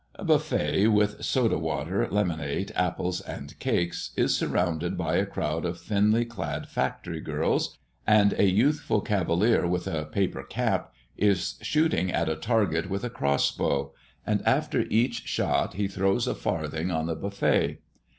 A buffet with soda water, lemonade, apples, and cakes, is surrounded by a crowd of thinly clad factory girls, and a youthful cavalier with a paper cap is shooting at a target with a cross bow, and after each shot he throws a farthing on the buffet.